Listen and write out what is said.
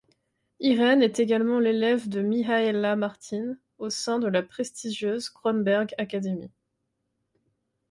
Irène est également l'élève de Mihaela Martin, au sein de la prestigieuse Kronberg Academy.